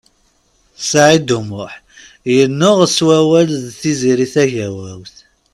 Saɛid U Muḥ yennuɣ s wawal d Tiziri Tagawawt.